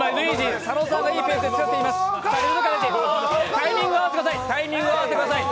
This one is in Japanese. タイミングを合わせてください。